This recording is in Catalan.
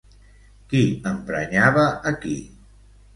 Qui emprenyava a qui?